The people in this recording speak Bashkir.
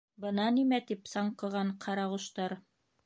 Бына нимә тип саңҡыған ҡарағоштар.